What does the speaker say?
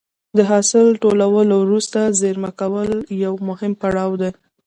د حاصل ټولولو وروسته زېرمه کول یو مهم پړاو دی.